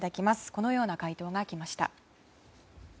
このような回答が来ました。